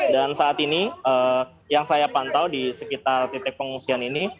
dan saat ini yang saya pantau di sekitar titik pengungsian ini